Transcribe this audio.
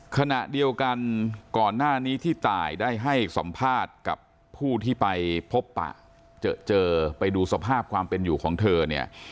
ขณะเดียวกันก่อนหน้านี้ที่ตายได้ให้สัมภาษณ์กับผู้ที่ไปพบปะเจอไปดูสภาพความเป็นอยู่ของเธอเนี่ย